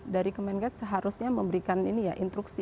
dari kemenkes seharusnya memberikan ini ya instruksi